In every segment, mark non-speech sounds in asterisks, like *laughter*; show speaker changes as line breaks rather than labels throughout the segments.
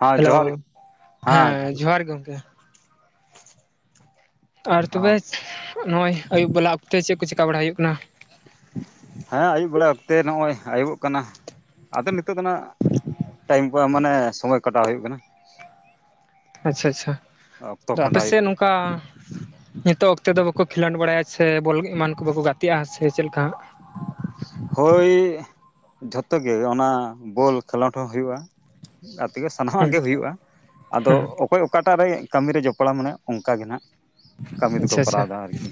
ᱦᱮᱸ
ᱦᱮᱞᱳ
ᱡᱚᱦᱟᱨ
ᱦᱮᱸ ᱡᱚᱦᱟᱨ ᱜᱮ ᱜᱚᱢᱠᱮ ᱟᱨ ᱛᱚᱵᱮ ᱱᱚᱜᱼᱚᱭ ᱟᱹᱭᱩᱵ ᱵᱮᱞᱟ ᱚᱠᱛᱮ ᱪᱮᱫ ᱠᱚ ᱪᱮᱠᱟ ᱵᱟᱲᱟ ᱦᱩᱭᱩᱜ ᱠᱟᱱᱟ?
ᱦᱮᱸ ᱟᱭᱩᱵ ᱵᱮᱲᱟ ᱚᱠᱛᱮ ᱱᱚᱜᱼᱚᱭ ᱟᱹᱩᱵᱚᱜ ᱠᱟᱱᱟ ᱟᱫᱚ ᱱᱤᱛᱚᱜ ᱫᱚᱦᱟᱜ ᱴᱟᱭᱤᱢ ᱠᱚ ᱢᱟᱱᱮ ᱥᱚᱢᱳᱚᱭ ᱠᱟᱴᱟᱣ ᱦᱩᱭᱩᱜ ᱠᱟᱱᱟ ᱾
ᱟᱪᱪᱷᱟ ᱟᱪᱪᱷᱟ
ᱚᱠᱛᱚ
ᱟᱯᱮ
ᱠᱷᱟᱸᱰᱟᱣ ᱦᱩᱭᱩᱜ
ᱥᱮᱫ
ᱠᱟᱱᱟ
ᱱᱚᱝᱠᱟ ᱱᱤᱛᱳᱜ ᱚᱠᱛᱮ ᱫᱚ ᱵᱟᱠᱚ ᱠᱷᱮᱞᱳᱰ ᱵᱟᱲᱟᱭᱟ ᱥᱮ ᱵᱚᱞ ᱮᱢᱟᱱ ᱠᱚ ᱵᱟᱠᱚ ᱜᱟᱛᱮᱜᱼᱟ ᱥᱮ ᱪᱮᱫ ᱞᱮᱠᱟ
ᱦᱳᱭ ᱡᱷᱚᱛᱚ ᱜᱮ ᱚᱱᱟ ᱵᱚᱞ ᱠᱷᱮᱞᱳᱰ ᱦᱚᱸ ᱦᱩᱭᱩᱜᱼᱟ ᱜᱟᱛᱮᱜᱮ ᱥᱟᱱᱟᱢᱟᱜ
ᱦᱮᱸ
ᱜᱮ ᱦᱩᱭᱩᱜᱼᱟ ᱟᱫᱚ
ᱦᱮᱸ
ᱚᱠᱚᱭ ᱚᱠᱟᱴᱟᱜ ᱨᱮ ᱠᱟᱹᱢᱤ ᱨᱮ ᱡᱚᱯᱲᱟᱣ ᱢᱟᱱᱟᱭᱟ ᱚᱱᱠᱟᱜᱮ ᱱᱟᱦᱟᱜ ᱠᱟᱹᱢᱤ ᱫᱚᱠᱚ
ᱟᱪᱪᱷᱟ ᱟᱪᱪᱷᱟ
ᱠᱚᱨᱟᱣ ᱮᱫᱟ ᱟᱨᱠᱤ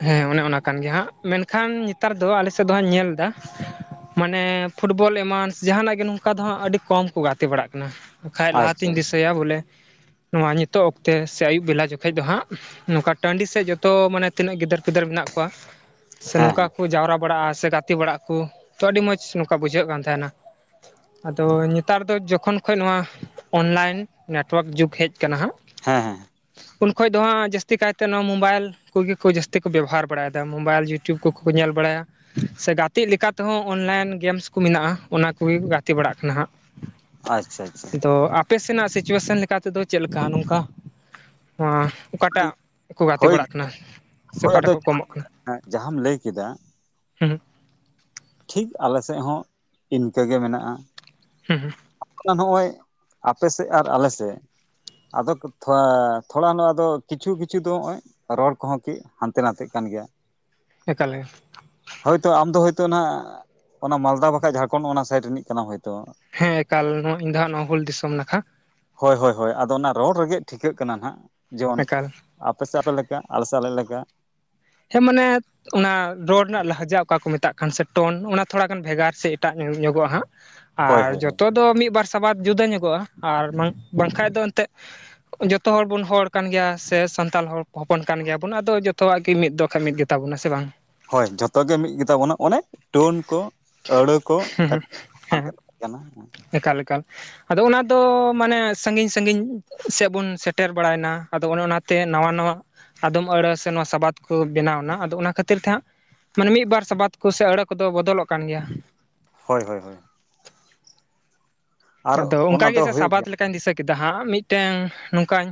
ᱦᱮᱸ ᱚᱱᱮ ᱚᱱᱟ ᱠᱟᱱ ᱜᱮᱭᱟ ᱦᱟᱸᱜ ᱢᱮᱱᱠᱷᱟᱱ ᱱᱮᱛᱟᱨ ᱫᱚ ᱟᱞᱮ ᱥᱮᱫ ᱫᱚ ᱦᱟᱸᱜ ᱧᱮᱞ ᱮᱫᱟ ᱢᱟᱱᱮ ᱯᱷᱩᱴᱵᱚᱞ ᱮᱢᱟᱱ ᱡᱟᱦᱟᱱᱟᱜ ᱜᱮ ᱱᱚᱝᱠᱟ ᱫᱚ ᱦᱟᱸᱜ ᱟᱹᱰᱤ ᱠᱚᱢ ᱠᱚ ᱜᱟᱛᱮ ᱵᱟᱲᱟᱜ ᱠᱟᱱᱟ ᱵᱟᱠᱷᱟᱡ
ᱟᱪᱪᱷᱟ
ᱞᱟᱦᱟᱛᱤᱧ
ᱟᱪᱪᱷᱟ
ᱫᱤᱥᱟᱹᱭᱟ ᱵᱚᱞᱮ ᱱᱚᱣᱟ ᱱᱤᱛᱚᱜ ᱚᱠᱛᱮ ᱥᱮ ᱟᱹᱭᱩᱵ ᱵᱮᱞᱟ ᱡᱚᱠᱷᱮᱡ ᱫᱚ ᱦᱟᱸᱜ ᱱᱚᱝᱠᱟ ᱴᱟᱺᱰᱤ ᱥᱮᱫ ᱡᱚᱛᱚ ᱢᱟᱱᱮ ᱛᱤᱱᱟᱹᱜ ᱜᱤᱫᱟᱹᱨ ᱯᱤᱫᱟᱹᱨ ᱢᱮᱱᱟᱜ ᱠᱚᱣᱟ ᱥᱮ
ᱦᱮᱸ
ᱱᱚᱝᱠᱟ
ᱦᱮᱸ
ᱡᱟᱣᱨᱟ ᱵᱟᱲᱟᱜᱼᱟ ᱥᱮ ᱜᱟᱛᱮ ᱵᱟᱲᱟᱜ ᱠᱚ ᱛᱚ ᱟᱹᱰᱤ ᱢᱚᱸᱡᱽ ᱱᱚᱝᱠᱟ ᱵᱩᱡᱷᱟᱹᱜ ᱠᱟᱱ ᱛᱟᱦᱮᱱᱟ ᱟᱫᱚ ᱱᱮᱛᱟᱨ ᱫᱚ ᱡᱚᱠᱷᱚᱱ ᱠᱷᱚᱱ ᱱᱚᱣᱟ ᱚᱱᱞᱟᱤᱱ ᱱᱮᱴᱚᱣᱟᱨᱠ ᱡᱩᱜᱽ ᱦᱮᱡ ᱟᱠᱟᱱᱟ ᱦᱟᱸᱜ *unintelligible*
ᱦᱮᱸ ᱦᱮᱸ
ᱩᱱ ᱠᱷᱚᱡ ᱫᱚ ᱦᱟᱸᱜ ᱡᱟᱹᱥᱛᱤ ᱠᱟᱭᱛᱮ ᱱᱚᱣᱟ ᱢᱳᱵᱟᱭᱤᱞ ᱩᱱᱜᱮ ᱠᱚ ᱡᱟᱹᱥᱛᱤ ᱠᱚ ᱵᱮᱵᱚᱦᱟᱨ ᱵᱟᱲᱟᱭᱮᱫᱟ ᱢᱳᱵᱟᱭᱤᱞ ᱤᱭᱩᱴᱩ ᱠᱚᱠᱚ ᱧᱮᱞ ᱵᱟᱲᱟᱭᱟ ᱥᱮ ᱜᱟᱛᱮᱜ ᱞᱮᱠᱟ ᱛᱮᱦᱚᱸ ᱚᱱᱞᱟᱭᱤᱱ ᱜᱮᱢᱥ ᱠᱚ ᱢᱮᱱᱟᱜᱼᱟ ᱚᱱᱟ ᱠᱚᱜᱮ ᱜᱟᱛᱮ ᱵᱟᱲᱟᱜ ᱠᱟᱱᱟ ᱦᱟᱸᱜ
ᱟᱪᱪᱷᱟ ᱟᱪᱪᱷᱟ
ᱫᱚ ᱟᱠ ᱟᱯᱮᱥᱮᱱᱟᱜ ᱥᱤᱪᱩᱭᱮᱥᱚᱱ ᱞᱮᱠᱟᱛᱮᱫᱚ ᱪᱮᱫ ᱞᱮᱠᱟ ᱱᱚᱝᱠᱟ ᱱᱚᱣᱟ ᱚᱠᱟᱴᱟᱜ ᱠᱚ ᱜᱟᱛᱮ
ᱦᱳᱭ
ᱵᱟᱲᱟᱜ ᱠᱟᱱᱟ ᱥᱮ
ᱦᱳᱭ
ᱚᱠᱟᱴᱟᱜ
ᱟᱫᱚ
ᱠᱚ ᱠᱚᱢᱚᱜ ᱠᱟᱱᱟ
ᱡᱟᱦᱟᱸᱢ ᱞᱟᱹᱭ ᱠᱮᱫᱟ
*unintelligible*
ᱴᱷᱤᱠ ᱟᱞᱮᱥᱮᱫ ᱦᱚᱸ ᱤᱱᱠᱟᱹᱜ ᱜᱮ ᱢᱮᱱᱟᱜᱼᱟ
ᱦᱮᱸ ᱦᱩᱸ *inaudible*
ᱟ ᱱᱚᱜᱼᱚᱭ ᱟᱯᱮ ᱥᱮᱫ ᱟᱨ ᱟᱞᱮ ᱥᱮᱫ *unintelligible* ᱟᱫᱚ ᱛᱷᱚᱲᱟ ᱟᱫᱚ ᱠᱤᱪᱷᱩ ᱠᱤᱪᱷᱩ ᱫᱚ ᱱᱚᱜᱼᱚᱭ *unintelligible* ᱨᱚᱲ ᱠᱚᱦᱚᱸ ᱠᱤ ᱦᱟᱱᱛᱮ ᱱᱟᱛᱮᱜ ᱠᱟᱱ ᱜᱮᱭᱟ
ᱮᱠᱟᱞ ᱜᱮ
ᱦᱳᱭᱛᱳ ᱟᱢᱫᱚ ᱦᱳᱭᱛᱳ ᱱᱟᱜ ᱚᱱᱟ ᱢᱟᱞᱫᱟ ᱵᱟᱠᱷᱟᱱ ᱡᱷᱟᱲᱠᱷᱚᱸᱰ ᱚᱱᱟ ᱥᱟᱭᱤᱰ ᱨᱤᱱᱤᱡ ᱠᱟᱱᱟᱢ ᱦᱳᱭᱛᱚ
ᱦᱮᱸ ᱮᱠᱟᱞ ᱤᱧ ᱫᱚ ᱦᱟᱸᱟᱜ ᱱᱚᱣᱟ ᱦᱩᱞ ᱫᱤᱥᱚᱢ ᱱᱟᱠᱷᱟ
ᱦᱚᱭ ᱦᱚᱭ ᱦᱚᱭ ᱟᱫᱚ ᱚᱱᱟ ᱨᱚᱲ ᱨᱮᱜᱮ ᱴᱷᱤᱠᱟᱹᱜ ᱠᱟᱱᱟ ᱱᱟᱜ ᱡᱚᱱ
ᱮᱠᱟᱞ
ᱟᱯᱮ ᱥᱮ ᱟᱯᱮ ᱞᱮᱠᱟ ᱟᱞᱮᱥᱮᱜ ᱟᱞᱮ ᱞᱮᱠᱟ
ᱦᱮᱸ ᱢᱟᱱᱮᱛ ᱚᱱᱟ ᱨᱚᱲ ᱨᱮᱱᱟᱜ ᱞᱟᱦᱟᱡᱟ ᱚᱠᱟ ᱠᱚ ᱢᱮᱛᱟᱜ ᱠᱟᱱ ᱥᱮ ᱴᱚᱱ ᱚᱱᱟ ᱛᱷᱚᱲᱟ ᱜᱟᱱ ᱵᱷᱮᱜᱟᱨ ᱥᱮ ᱮᱴᱟᱜ ᱧᱚᱜᱚᱜ-ᱟ ᱦᱟᱸᱜ
ᱦᱳᱭ
ᱟᱨ
ᱦᱳᱭ ᱦᱳᱭ
ᱡᱚᱛᱚ ᱫᱚ ᱢᱤᱫᱵᱟᱨ ᱥᱟᱵᱟᱫ ᱡᱩᱫᱟᱹ ᱧᱚᱜᱚᱜ-ᱟ ᱟᱨ ᱵᱟᱝᱠᱷᱟᱡ ᱫᱚ ᱮᱱᱛᱮᱜ ᱡᱚᱛᱚ ᱦᱚᱲᱵᱚᱱ ᱦᱚᱲ ᱠᱟᱱ ᱜᱮᱭᱟ ᱥᱮ ᱥᱟᱱᱛᱟᱞ ᱦᱚᱲ ᱦᱚᱯᱚᱱ ᱠᱟᱱ ᱜᱮᱭᱟᱵᱚᱱ ᱟᱫᱚ ᱡᱚᱛᱚᱣᱟᱜ ᱜᱮ ᱛᱤ ᱢᱤᱫ ᱫᱚ ᱠᱷᱟᱡ ᱢᱤᱫ ᱜᱮᱛᱟᱵᱚᱱᱟ ᱥᱮ ᱵᱟᱝ
ᱦᱚᱭ ᱡᱚᱛᱚ ᱜᱮ ᱢᱤᱫ ᱜᱮ ᱛᱟᱵᱚᱱᱟ ᱚᱱᱮ ᱴᱚᱱ ᱠᱚ ᱟᱹᱲᱟᱹ ᱠᱚ
ᱦᱮᱸ
ᱟᱫᱚᱜ ᱠᱟᱱᱟ
ᱮᱠᱟᱞ ᱮᱠᱟᱞ ᱟᱫᱚ ᱚᱱᱟ ᱫᱚ ᱢᱟᱱᱮ ᱥᱟᱺᱜᱤᱧ ᱥᱟᱺᱜᱤᱧ ᱥᱮᱜ ᱵᱚᱱ ᱥᱮᱴᱮᱨ ᱵᱟᱲᱟᱭᱱᱟ ᱟᱫᱚ ᱚᱱᱮ ᱚᱱᱟᱛᱮ ᱱᱟᱣᱟ ᱱᱟᱣᱟ ᱟᱫᱚᱢ ᱟᱹᱲᱟᱹ ᱥᱮ ᱱᱚᱣᱟ ᱥᱟᱵᱟᱫ ᱠᱚ ᱵᱮᱱᱟᱣᱱᱟ ᱟᱫᱚ ᱚᱱᱟ ᱠᱷᱟᱹᱛᱤᱨ ᱛᱮᱦᱟᱸᱜ ᱢᱟᱱᱮ ᱢᱤᱫᱵᱟᱨ ᱥᱟᱵᱟᱫ ᱠᱚ ᱥᱮ ᱟᱹᱲᱟᱹ ᱠᱚᱫᱚ ᱵᱚᱫᱚᱞᱚᱜ ᱠᱟᱱ ᱜᱮᱭᱟ
ᱦᱚᱭ ᱦᱚᱭ ᱦᱚᱭ ᱟᱨ
ᱟᱫᱚ
ᱚᱱᱟ
ᱚᱱᱠᱟᱜᱮ
ᱫᱚ
ᱥᱮ
ᱦᱩᱭᱩᱜ ᱜᱮᱭᱟ
ᱥᱟᱵᱟᱫ ᱞᱮᱠᱟᱧ ᱫᱤᱥᱟᱹ ᱠᱮᱫᱟ ᱦᱟᱸᱜ ᱢᱤᱫᱴᱟᱹᱝ ᱱᱚᱝᱠᱟᱧ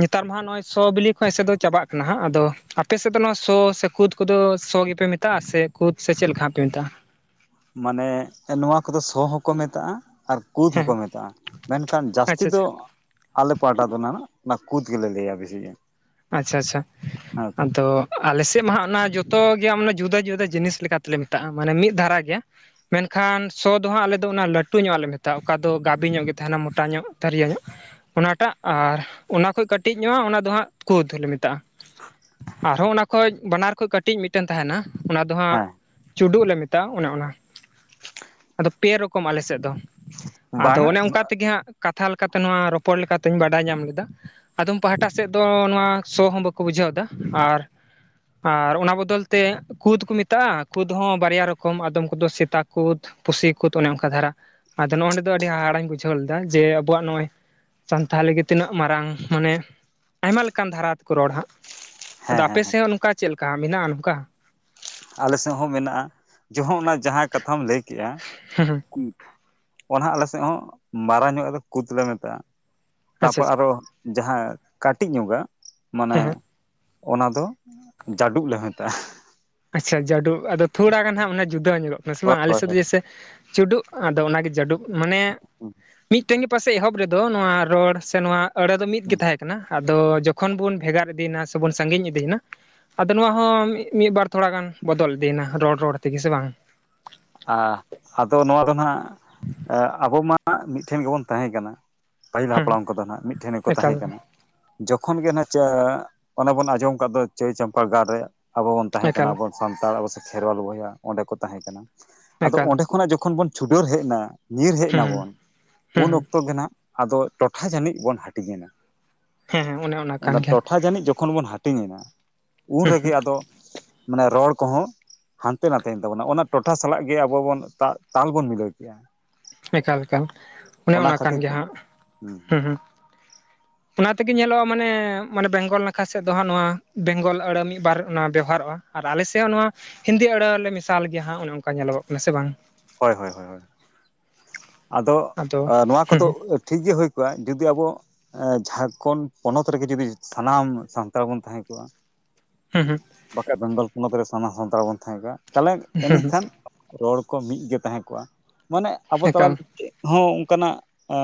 ᱱᱮᱛᱟᱨ ᱢᱟᱦᱟᱜ ᱱᱚᱜ ᱚᱭ ᱥᱚ ᱵᱤᱞᱤ ᱠᱷᱚᱡ ᱮᱥᱮᱫ ᱫᱚ ᱪᱟᱵᱟᱜ ᱠᱟᱱᱟ ᱦᱟᱜ ᱟᱫᱚ ᱟᱯᱮᱥᱮᱫ ᱫᱚ ᱱᱚᱣᱟ ᱥᱚ ᱥᱮ ᱠᱩᱫᱽ ᱠᱩᱫᱚ ᱥᱚ ᱜᱮᱯᱮ ᱢᱮᱛᱟᱜ-ᱟ ᱥᱮ ᱠᱩᱫᱽ ᱥᱮ ᱪᱮᱫ ᱞᱮᱠᱟ ᱦᱟᱜ ᱯᱮ ᱢᱮᱛᱟᱜ-ᱟ
ᱢᱟᱱᱮ ᱱᱚᱣᱟ ᱠᱚᱫᱚ ᱥᱚ ᱦᱚᱸᱠᱚ ᱢᱮᱛᱟᱜ-ᱟ ᱟᱨ ᱠᱩᱫᱽ
ᱦᱮᱸ
ᱦᱚᱸᱠᱚ
ᱦᱮᱸ
ᱢᱮᱛᱟᱜ-ᱟ ᱢᱮᱱᱠᱷᱟᱱ ᱡᱟᱹᱥᱛᱤ
ᱟᱪᱪᱷᱟ ᱟᱪᱪᱷᱟ
ᱫᱚ ᱟᱞᱮ ᱯᱟᱦᱴᱟ ᱫᱚ ᱱᱟᱱᱟᱜ ᱚᱱᱟ ᱠᱩᱫᱽ ᱜᱮᱞᱮ ᱞᱟᱹᱭᱟ ᱵᱮᱥᱤ
ᱟᱪᱪᱷᱟ ᱟᱪᱪᱷᱟ
ᱦᱮᱸ
ᱟᱫᱚ ᱟᱞᱮᱮᱥᱮᱜ ᱢᱟᱦᱟᱜ ᱚᱱᱟ ᱡᱚᱛᱚ ᱜᱮ *unintelligible* ᱡᱩᱫᱟᱹ ᱡᱩᱫᱟᱹ ᱡᱤᱱᱤᱥ ᱞᱮᱠᱟᱛᱮᱞᱮ ᱢᱮᱛᱟᱜ-ᱟ ᱢᱟᱱᱮ ᱢᱤᱫ ᱫᱷᱟᱨᱟ ᱜᱮ ᱢᱮᱱᱠᱷᱟᱱ ᱥᱚ ᱫᱚ ᱦᱟᱸᱜ ᱟᱞᱮ ᱫᱚ ᱚᱱᱟ ᱞᱟᱹᱴᱩ ᱧᱚᱜ-ᱟᱜ ᱞᱮ ᱢᱮᱛᱟᱜ-ᱟ ᱚᱠᱟ ᱫᱚ ᱜᱟᱵᱮ ᱧᱚᱜ ᱜᱮ ᱛᱟᱦᱮᱱᱟ ᱢᱚᱴᱟ ᱧᱚᱜ ᱛᱷᱟᱹᱨᱭᱟᱹ ᱧᱚᱜ ᱚᱱᱟᱴᱟᱜ ᱟᱨ ᱚᱱᱟ ᱠᱷᱚᱡ ᱠᱟᱹᱴᱤᱡ ᱧᱚᱜ-ᱟ ᱚᱱᱟ ᱫᱚ ᱦᱟᱸᱜ ᱠᱩᱫᱽ ᱦᱚᱞᱮ ᱢᱮᱛᱟᱜ-ᱟ ᱟᱨᱦᱚᱸ ᱚᱱᱟ ᱠᱷᱚᱡ ᱵᱟᱱᱟᱨ ᱠᱷᱟᱡ ᱠᱟᱹᱴᱤᱡ ᱢᱤᱫᱴᱟᱹᱱ ᱛᱟᱦᱮᱱᱟ ᱚᱱᱟ ᱫᱚ ᱦᱟᱸᱜ
ᱦᱮᱸ
ᱪᱩᱰᱩᱜ ᱞᱮ ᱢᱮᱛᱟᱜ-ᱟ ᱚᱱᱮ ᱚᱱᱟ ᱟᱫᱚ ᱯᱮ ᱨᱚᱠᱚᱢ ᱟᱞᱮ ᱥᱮᱜ ᱫᱚ ᱟᱫᱚ
ᱵᱟᱝᱟ
ᱚᱱᱮ ᱚᱝᱠᱟ ᱛᱮᱜᱮ ᱦᱟᱸᱜ ᱠᱟᱛᱷᱟ ᱞᱮᱠᱟᱛᱮ ᱱᱚᱣᱟ ᱨᱚᱯᱚᱲ ᱞᱮᱠᱟ ᱛᱮᱦᱮᱧ ᱵᱟᱰᱟᱭ ᱧᱟᱢ ᱞᱮᱫᱟ ᱟᱫᱚᱢ ᱯᱟᱦᱴᱟ ᱥᱮᱫ ᱫᱚ ᱱᱚᱣᱟ ᱥᱚ ᱦᱚᱸ ᱵᱟᱠᱚ ᱵᱩᱡᱷᱟᱹᱣ ᱫᱟ ᱟᱨ ᱟᱨ ᱚᱱᱟ ᱵᱚᱫᱚᱞ ᱛᱮ ᱠᱩᱫᱽ ᱠᱚ ᱢᱮᱛᱟᱜ-ᱟ ᱠᱩᱫᱽ ᱦᱚᱸ ᱵᱟᱨᱭᱟ ᱨᱚᱠᱚᱢ ᱟᱫᱚᱢ ᱠᱚᱫᱚ ᱥᱮᱛᱟ ᱠᱩᱫᱽ ᱯᱩᱥᱤ ᱠᱩᱫᱽ ᱚᱱᱮ ᱚᱱᱠᱟ ᱫᱷᱟᱨᱟ ᱟᱫᱚ ᱱᱚᱜ ᱚ ᱱᱚᱰᱮ ᱫᱚ ᱟᱹᱰᱤ ᱦᱟᱦᱲᱟᱹᱧ ᱵᱩᱡᱷᱟᱹᱣ ᱞᱮᱫᱟ ᱡᱮ ᱟᱵᱚᱣᱟᱜ ᱱᱚᱜ-ᱚᱭ ᱥᱟᱱᱛᱷᱟᱞᱤ ᱜᱮ ᱛᱤᱱᱟᱹᱜ ᱢᱟᱨᱟᱝ ᱢᱟᱱᱮ ᱟᱭᱢᱟ ᱠᱟᱱ ᱫᱷᱟᱨᱟ ᱛᱮᱠᱚ ᱨᱚᱲ ᱦᱟᱸᱜ ᱟᱫᱚ
ᱦᱮᱸ ᱦᱮᱸ ᱦᱮᱸ
ᱟᱯᱮᱥᱮᱜ ᱦᱚᱸ ᱱᱚᱝᱠᱟ ᱪᱮᱫ ᱞᱮᱠᱟ ᱢᱮᱱᱟᱜ-ᱟ ᱱᱚᱠᱟ
ᱟᱞᱮ ᱥᱮᱜ ᱦᱚᱸ ᱢᱮᱱᱟᱜ-ᱟ ᱡᱚᱦᱚᱜ ᱚᱱᱟ ᱡᱟᱦᱟᱸ ᱠᱟᱛᱷᱟᱢ ᱞᱟᱹᱭ ᱠᱮᱜ-ᱟ
ᱦᱮᱸ ᱦᱮᱸ
ᱚᱱᱟ ᱟᱞᱮ ᱥᱮᱜ ᱦᱚᱸ ᱢᱟᱨᱟᱝ ᱧᱚᱜᱟᱜ ᱫᱚ ᱠᱩᱫᱽ ᱞᱮ ᱢᱮᱛᱟᱜ-ᱟ
ᱟᱪᱪᱷᱟ
ᱛᱟᱯᱚᱨ
ᱟᱪᱪᱷᱟ
ᱟᱨᱚ ᱡᱟᱦᱟᱸ ᱠᱟᱹᱴᱤᱡ ᱧᱚᱜᱟᱜ ᱢᱟᱱᱮ
ᱦᱮᱸ ᱦᱮᱸ
ᱚᱱᱟ ᱫᱚ ᱡᱟᱹᱰᱩᱵ ᱞᱮ ᱢᱮᱛᱟᱜ-ᱟ
ᱟᱪᱪᱷᱟ ᱡᱟᱹᱰᱩᱜ ᱟᱫᱚ ᱛᱷᱚᱲᱟ ᱜᱟᱱ ᱦᱟᱸᱜ ᱢᱟᱱᱮ ᱡᱩᱫᱟᱹ ᱟᱡᱚᱢᱚᱜ ᱠᱟᱱᱟ ᱥᱮ
ᱦᱳᱭ
ᱵᱟᱝ ᱟᱞᱮᱥ
ᱦᱳᱭ
ᱥᱮᱫ ᱫᱚ
ᱦᱳᱭ
ᱡᱮᱭᱥᱮ ᱪᱩᱰᱩᱜ ᱟᱫᱚ ᱚᱱᱟᱜᱮ ᱡᱟᱰᱩᱵ ᱢᱟᱱᱮ
ᱦᱩᱸ
ᱢᱤᱫ ᱛᱮᱝ ᱜᱮ ᱯᱟᱥᱮᱡ ᱮᱦᱚᱵ ᱨᱮᱫᱚ ᱱᱚᱣᱟ ᱨᱚᱲ ᱥᱮ ᱱᱚᱣᱟ ᱟᱹᱲᱟᱹ ᱫᱚ ᱢᱤᱫ ᱜᱮ
ᱦᱩᱸ
ᱛᱟᱦᱮᱸ ᱟᱫᱚ ᱡᱚᱠᱷᱚᱱ ᱵᱚᱱ ᱵᱷᱮᱜᱟᱨ ᱤᱫᱤᱭᱱᱟ ᱥᱮᱵᱚᱱ ᱥᱟᱺᱜᱤᱧ ᱤᱫᱤᱭᱱᱟ ᱟᱫᱚ ᱱᱚᱣᱟ ᱦᱚᱸ ᱢᱤᱫ ᱵᱟᱨ ᱛᱷᱚᱲᱟ ᱜᱟᱱ ᱵᱚᱫᱚᱞ ᱤᱫᱤᱭᱱᱟ ᱨᱚᱲ ᱨᱚᱲ ᱛᱮᱜᱮ ᱥᱮ ᱵᱟᱝ
ᱟ ᱟᱫᱚ ᱱᱚᱣᱟ ᱫᱚ ᱱᱟᱜ ᱟᱵᱚ ᱢᱟᱦᱟᱜ ᱢᱤᱫᱴᱷᱮᱱ ᱜᱮᱵᱚᱱ ᱛᱟᱦᱮᱸ ᱠᱟᱱᱟ ᱯᱟᱹᱦᱤᱞ
ᱦᱮᱸ
ᱦᱟᱯᱲᱟᱢ ᱠᱚᱫᱚ ᱱᱟᱸᱜ ᱢᱤᱫ ᱴᱷᱮᱱ ᱜᱮᱠᱚ
ᱮᱠᱟᱞ
ᱛᱟᱦᱮᱸ ᱠᱟᱱᱟ ᱡᱚᱠᱷᱚᱱ ᱜᱮᱱᱟ ᱡᱟ ᱚᱱᱟ ᱵᱚᱱ ᱟᱸᱡᱚᱢ ᱠᱟᱜ ᱫᱚ ᱪᱟᱹᱭ ᱪᱟᱢᱯᱟ ᱜᱟᱲ ᱨᱮ ᱟᱵᱚ ᱵᱚᱱ
ᱮᱠᱟᱞ
ᱛᱟᱦᱮᱸᱠᱟᱱᱟ ᱵᱚᱱ ᱥᱟᱱᱛᱟᱲ ᱟᱵᱚ ᱥᱮ ᱠᱷᱮᱨᱣᱟᱞ ᱵᱚᱭᱦᱟ ᱚᱸᱰᱮ ᱠᱚ ᱛᱟᱦᱮᱸ ᱠᱟᱱᱟ ᱟᱫᱚ
ᱮᱠᱟᱞ
ᱚᱸᱰᱮ ᱠᱷᱚᱱᱟᱜ ᱡᱚᱠᱷᱚᱱ ᱵᱚᱱ ᱪᱷᱩᱰᱟᱹᱨ ᱦᱮᱡ ᱱᱟ ᱧᱤᱨ ᱦᱮᱡ ᱱᱟ
ᱦᱮᱸ
ᱵᱚᱱ
ᱦᱮᱸ
ᱩᱱ ᱚᱠᱛᱚ ᱜᱮ ᱱᱟᱜ ᱟᱫᱚ ᱴᱚᱴᱷᱟ ᱡᱟᱹᱱᱤᱡ ᱵᱚᱱ ᱦᱟᱹᱴᱤᱧᱮᱱᱟ
ᱦᱮᱸ ᱦᱮᱸ ᱚᱱᱮ ᱚᱱᱟ ᱠᱟᱱ
*unintelligible*
ᱜᱮᱭᱟ
ᱴᱚᱴᱷᱟ ᱡᱟᱹᱱᱤᱡ ᱡᱚᱠᱷᱚᱱ ᱵᱚᱱ ᱦᱟᱹᱴ ᱦᱟᱹᱴᱤᱧ ᱮᱱᱟ ᱩᱱ ᱨᱮᱜᱮ ᱟᱫᱚ ᱢᱟᱱᱮ ᱨᱚᱲ ᱠᱚᱦᱚᱸ ᱦᱟᱱᱛᱮ ᱱᱟᱛᱮᱭᱮᱱ ᱛᱟᱵᱚᱱᱟ ᱚᱱᱟ ᱴᱚᱴᱷᱟ ᱥᱟᱞᱟᱜ ᱜᱮ ᱟᱵᱚᱣᱟᱜ ᱵᱚᱱ ᱛᱟᱞ ᱵᱚᱱ ᱢᱤᱞᱟᱹᱣ ᱠᱮᱜ-ᱟ
ᱮᱠᱟᱞ ᱮᱠᱟᱞ ᱚᱱᱮ ᱚᱱᱟ ᱠᱟᱱ
ᱠᱷᱟᱹᱛᱤᱨ
ᱜᱮᱭᱟ
ᱛᱮ
ᱦᱟᱜ ᱦᱩᱸ ᱚᱱᱟ ᱛᱮᱜᱮ ᱧᱮᱞᱚᱜ-ᱟ ᱢᱟᱱᱮ ᱢᱟᱱᱮ ᱵᱮᱝᱜᱚᱞ ᱱᱟᱠᱷᱟ ᱥᱮᱫ ᱫᱚ ᱦᱟᱸᱜ ᱱᱚᱣᱟ ᱵᱮᱝᱜᱚᱞ ᱟᱹᱲᱟᱹ ᱢᱤᱫ ᱵᱟᱨ ᱚᱱᱟ ᱵᱮᱣᱦᱟᱨ ᱨᱚᱜ-ᱟ ᱟᱨ ᱟᱞᱮ ᱥᱮᱫ ᱦᱚᱸ ᱱᱚᱣᱟ ᱦᱤᱱᱫᱤ ᱟᱹᱲᱟᱹ ᱞᱮ ᱢᱮᱥᱟᱞ ᱜᱮᱭᱟ ᱦᱟᱸᱜ ᱚᱱᱮ ᱚᱱᱠᱟ ᱧᱮᱞᱚᱜᱚᱜ ᱠᱟᱱᱟ ᱥᱮ ᱵᱟᱝ
ᱦᱳᱭ ᱦᱳᱭ ᱦᱳᱭ ᱟᱫᱚ ᱱᱚᱣᱟ
ᱦᱩᱸ
ᱠᱚᱫᱚ
ᱦᱩᱸ
ᱴᱷᱤᱠ ᱜᱮ ᱦᱩᱭ ᱠᱚᱜ-ᱟ ᱡᱩᱫᱤ ᱟᱵᱚ ᱡᱷᱟᱲᱠᱷᱚᱱᱰ ᱯᱚᱱᱚᱛ ᱨᱮᱜᱮ ᱡᱩᱫᱤ ᱥᱟᱱᱟᱢ ᱥᱟᱱᱛᱟᱲ ᱵᱚᱱ ᱛᱟᱦᱮᱸ ᱠᱚᱜ-ᱟ
ᱦᱩ ᱦᱩ *unintelligible*
ᱵᱟᱠᱷᱟᱡ ᱵᱮᱝᱜᱚᱞ ᱯᱚᱱᱚᱛ ᱨᱮ ᱥᱟᱱᱟᱢ ᱥᱟᱱᱛᱟᱲ ᱵᱚᱱ ᱛᱟᱦᱮᱸ ᱠᱷᱟᱡ ᱛᱟᱦᱚᱞᱮ ᱮᱱᱟᱹᱠᱷᱟᱱ ᱨᱚᱲ ᱠᱚ ᱢᱤᱫ ᱜᱮ ᱛᱟᱦᱮᱸ ᱠᱚᱜ-ᱟ ᱢᱟᱱᱮ ᱟᱵᱚ ᱛᱟᱞᱟ
ᱮᱠᱟᱞ
ᱪᱮᱫ ᱦᱚᱸ ᱚᱝᱠᱟᱱᱟᱜ ᱟ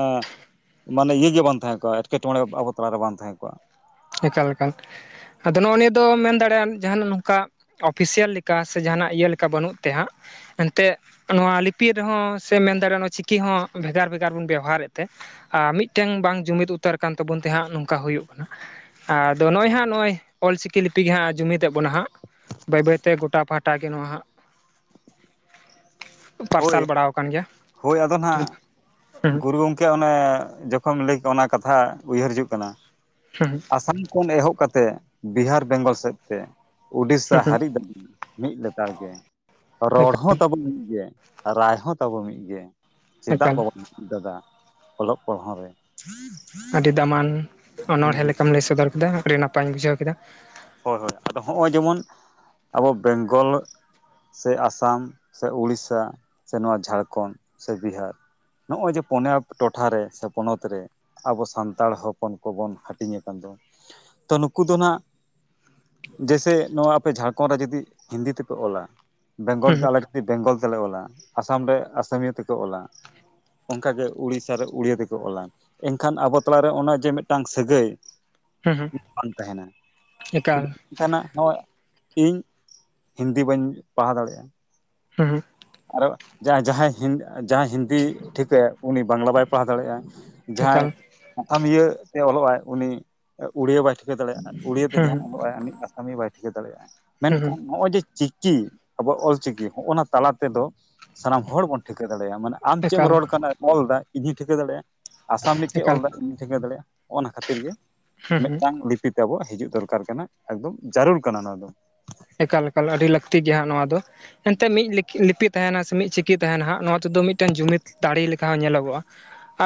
ᱢᱟᱱᱮ ᱤᱭᱟᱹ ᱜᱮ ᱵᱟᱝ ᱛᱟᱦᱮᱸ ᱠᱚᱜ-ᱟ ᱮᱴᱠᱮᱴᱚᱬᱮ ᱟᱵᱚ ᱛᱟᱞᱟᱨᱮ ᱵᱟᱝ ᱛᱟᱦᱮᱸ ᱠᱚᱜ-ᱟ
ᱮᱠᱟᱞ ᱮᱠᱟᱞ ᱟᱫᱚ ᱱᱚᱜ-ᱚ ᱱᱤᱭᱟᱹ ᱫᱚ ᱢᱮᱱ ᱫᱟᱲᱮᱭᱟᱜ-ᱟᱢ ᱡᱟᱦᱟᱱᱟᱜ ᱱᱚᱝᱠᱟ ᱚᱯᱷᱤᱥᱤᱭᱟᱞ ᱞᱮᱠᱟ ᱥᱮ ᱡᱟᱦᱟᱱᱟᱜ ᱤᱭᱟᱹ ᱞᱮᱠᱟ ᱵᱟᱹᱱᱩᱜ ᱛᱮ ᱦᱟᱸᱜ ᱮᱱᱛᱮᱜ ᱱᱚᱣᱟ ᱞᱤᱯᱤ ᱨᱮᱦᱚᱸ ᱥᱮ ᱢᱮᱱ ᱫᱟᱲᱮᱭᱟᱜ-ᱟ ᱱᱚᱣᱟ ᱪᱤᱠᱤ ᱦᱚᱸ ᱵᱷᱮᱜᱟᱨ ᱵᱷᱮᱜᱟᱨ ᱵᱚᱱ ᱵᱮᱣᱦᱟᱨᱮᱫ ᱛᱮ ᱟᱨ ᱢᱤᱫᱴᱮᱱ ᱵᱟᱝ ᱡᱩᱢᱤᱫ ᱩᱛᱟᱹᱨ ᱠᱟᱱ ᱛᱟᱵᱚᱱ ᱛᱮᱦᱟᱜ ᱱᱚᱝᱠᱟ ᱦᱩᱭᱩᱜ ᱠᱟᱱᱟ ᱟᱫᱚ ᱱᱚᱜ-ᱚᱭ ᱦᱟᱸᱜ ᱱᱚᱜ-ᱚᱭ ᱚᱞ ᱪᱤᱠᱤ ᱞᱤᱯᱤ ᱜᱮ ᱦᱟᱸᱜ ᱡᱩᱢᱤᱫᱮᱜ ᱵᱚᱱᱟ ᱦᱟᱸᱜ ᱵᱟᱹᱭ ᱵᱟᱹᱭᱛᱮ ᱜᱚᱴᱟ ᱯᱷᱟᱴ ᱜᱚᱴᱟ ᱜᱮ ᱱᱚᱣᱟ ᱦᱟᱸᱜ
ᱦᱳᱭ
ᱯᱟᱨᱥᱟᱞ ᱵᱟᱲᱟᱣ ᱠᱟᱱ ᱜᱮᱭᱟ
ᱦᱳᱭ ᱟᱫᱚ
ᱦᱩᱸ
ᱱᱟᱦᱟᱜ
ᱦᱩᱸ
ᱜᱩᱨᱩ *unintelligible* ᱚᱱᱮ ᱡᱚᱠᱷᱚᱢ ᱞᱟᱹᱭ *unintelligible* ᱚᱱᱟ ᱠᱟᱛᱷᱟ ᱩᱭᱦᱟᱹᱨ ᱦᱤᱡᱩᱜ ᱠᱟᱱᱟ
*unintelligible*
*unintelligible* ᱠᱷᱚᱱ ᱮᱦᱚᱵ ᱠᱟᱛᱮᱫ ᱵᱤᱦᱟᱨ ᱵᱮᱝᱜᱚᱞ ᱥᱮᱫ ᱛᱮ ᱩᱰᱤᱥᱟ
ᱦᱩᱸ ᱦᱩᱸ
ᱦᱟᱨᱤᱡ ᱢᱤᱫ ᱞᱮᱛᱟᱲ ᱜᱮ ᱨᱚᱲ
ᱮᱠᱟᱞ
ᱦᱚᱸ ᱛᱟᱵᱚ ᱢᱤᱫ ᱜᱮ ᱨᱟᱭ ᱦᱚᱸ ᱛᱟᱵᱚ ᱢᱤᱫ ᱜᱮ ᱪᱮᱫᱟᱜ
ᱮᱠᱟᱞ
ᱵᱟᱵᱚᱱ ᱢᱤᱫᱚ ᱟ ᱫᱟᱫᱟ ᱚᱞᱚᱜ ᱯᱟᱲᱦᱟᱣ ᱨᱮ
ᱟᱹᱰᱤ ᱫᱟᱢᱟᱱ
ᱦᱩᱸ
ᱚᱱᱚᱲᱦᱮᱸ
ᱦᱩᱸ
ᱞᱮᱠᱟᱢ ᱞᱟᱹᱭ ᱥᱚᱫᱚᱨ ᱠᱮᱫᱟ ᱟᱹᱰᱤ ᱱᱟᱯᱟᱧ ᱵᱩᱡᱷᱟᱹᱣ ᱠᱮᱫᱟ
ᱦᱳᱭ ᱦᱳᱭ ᱟᱫᱚ ᱦᱚᱜ-ᱚᱭ ᱡᱮᱢᱚᱱ ᱟᱵᱚ ᱵᱮᱝᱜᱚᱞ ᱥᱮ ᱟᱥᱟᱢ ᱥᱮ ᱩᱲᱤᱥᱟ ᱥᱮ ᱱᱚᱣᱟ ᱡᱷᱟᱲᱠᱷᱚᱸᱰ ᱥᱮ ᱵᱤᱦᱟᱨ ᱱᱚᱜ-ᱚᱭ ᱡᱮ ᱯᱚᱱᱭᱟ ᱴᱚᱴᱷᱟ ᱨᱮ ᱥᱮ ᱯᱚᱱᱚᱛ ᱨᱮ ᱟᱵᱚ ᱥᱟᱱᱛᱟᱲ ᱦᱚᱯᱚᱱ ᱠᱚᱵᱚᱱ ᱦᱟᱹᱴᱤᱧ ᱠᱟᱱ ᱫᱚ ᱛᱚ ᱱᱩᱠᱩ ᱫᱚ ᱱᱟᱜ ᱡᱮᱭᱥᱮ ᱱᱚᱣᱟ ᱟᱯᱮ ᱡᱷᱟᱲᱠᱷᱚᱸᱰ ᱨᱮ ᱡᱚᱫᱤ ᱦᱤᱱᱫᱤ ᱛᱮᱯᱮ ᱚᱞᱟ ᱵᱮᱝᱜᱚᱞ
ᱦᱩᱸ
ᱟᱞᱮ ᱵᱮᱝᱜᱚᱞ ᱛᱮᱞᱮ ᱚᱞᱟ ᱟᱥᱟᱢ ᱨᱮ ᱟᱥᱟᱢᱤᱭᱟᱹ ᱛᱮᱠᱚ ᱚᱞᱟ ᱚᱱᱠᱟᱜᱮ ᱩᱲᱤᱥᱥᱟ ᱨᱮ ᱩᱲᱤᱭᱟ ᱛᱮᱠᱚ ᱚᱞᱟ ᱮᱱᱠᱷᱟᱱ ᱟᱵᱚ ᱛᱟᱞᱟᱨᱮ ᱚᱱᱟ ᱡᱮ ᱢᱤᱫᱴᱟᱝ ᱥᱟᱹᱜᱟᱹᱭ
ᱦᱩᱸ ᱦᱩᱸ
ᱵᱟᱝ ᱛᱟᱦᱮᱱᱟ
ᱮᱠᱟᱞ
*unintelligible* ᱤᱧ ᱦᱤᱱᱫᱤ ᱵᱟᱹᱧ ᱯᱟᱲᱦᱟᱣ ᱫᱟᱲᱮᱭᱟᱜ-ᱟ
ᱦᱮ *unintelligible*
ᱟᱨᱮ ᱡᱟᱦᱟᱸ ᱡᱟᱦᱟᱸᱭ ᱡᱟᱦᱟᱸᱭ ᱦᱤᱱᱫᱤ ᱴᱷᱤᱠᱟᱹᱭᱟ ᱩᱱᱤ ᱵᱟᱝᱞᱟ ᱵᱟᱭ ᱯᱟᱲᱦᱟᱣ ᱫᱟᱲᱮᱭᱟᱜ-ᱟ ᱡᱟᱦᱟᱸᱭ
ᱮᱠᱟᱞ
*unintelligible* ᱤᱭᱟᱹ ᱛᱮ ᱚᱞᱚᱜ ᱟᱭ ᱩᱱᱤ ᱩᱲᱤᱭᱟᱹ ᱵᱟᱭ ᱴᱷᱤᱠᱟᱹ ᱫᱟᱲᱮᱭᱟᱜ-ᱟ ᱩᱲᱤᱭᱟᱹ ᱛᱮ
ᱦᱩᱸ
ᱡᱟᱦᱟᱸᱭ ᱚᱞᱚᱜ ᱩᱱᱤ ᱟᱥᱟᱢᱤᱭᱟᱹ ᱵᱟᱭ ᱴᱷᱤᱠᱟᱹ ᱫᱟᱲᱮᱭᱟᱜ-ᱟ
ᱦᱩᱸ ᱦᱩᱸ
ᱢᱮᱱᱠᱷᱟᱱ ᱱᱚᱜ-ᱚᱭ ᱡᱮ ᱪᱤᱠᱤ ᱟᱵᱚᱣᱟᱜ ᱚᱞᱪᱤᱠᱤ ᱦᱚᱸᱜ-ᱚᱸᱱᱟ ᱛᱟᱞᱟ ᱛᱮᱫᱚ ᱥᱟᱱᱟᱢ ᱦᱚᱲ ᱵᱚᱱ ᱴᱷᱤᱠᱟᱹ ᱫᱟᱲᱮᱭᱟᱜ-ᱟ ᱢᱟᱱᱮ ᱟᱢ ᱪᱮᱫ ᱮᱢ
ᱮᱠᱟᱞ
ᱨᱚᱲ ᱠᱟᱱᱟ ᱚᱞᱫᱟ ᱤᱧ ᱴᱷᱤᱠᱟᱹ ᱫᱟᱲᱮᱭᱟᱜ-ᱟ ᱟᱥᱟᱢ ᱨᱮᱱᱤᱡ ᱪᱮᱫ ᱚᱞ
ᱮᱠᱟᱞ
ᱫᱟᱭ ᱴᱷᱤᱠᱟᱹ ᱫᱟᱲᱮᱭᱟᱜᱼᱟ ᱚᱱᱟ ᱠᱷᱟᱹᱛᱤᱨ ᱜᱮ
ᱦᱩᱸ ᱦᱩᱸ
ᱢᱤᱫᱴᱟᱝ ᱛᱤ ᱛᱮᱠᱚ ᱦᱤᱡᱩᱜ ᱫᱚᱨᱠᱟᱨ ᱠᱟᱱᱟ ᱮᱠᱫᱚᱢ ᱡᱟᱹᱨᱩᱲ ᱠᱟᱱᱟ ᱱᱚᱣᱟ ᱫᱚ
ᱮᱠᱟᱞ ᱮᱠᱟᱞ ᱟᱹᱰᱤ ᱞᱟᱹᱠᱛᱤ ᱜᱮᱭᱟ ᱱᱚᱣᱟ ᱫᱚ ᱮᱱᱛᱮᱜ ᱢᱤᱫ ᱞᱤᱯᱤ ᱛᱟᱦᱮᱱᱟ ᱥᱮ ᱢᱤᱫ ᱪᱤᱠᱤ ᱛᱟᱦᱮᱱᱟ ᱦᱟᱸᱜ ᱱᱚᱣᱟ ᱛᱮᱫᱚ ᱢᱤᱫᱴᱮᱱ ᱡᱩᱢᱤᱫ ᱫᱟᱲᱮ ᱞᱮᱠᱟ ᱦᱚᱸ ᱧᱮᱞᱚᱜᱚᱜ-ᱟ